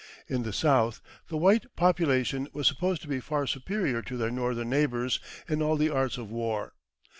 In the South the white population was supposed to be far superior to their Northern neighbours in all the arts of war.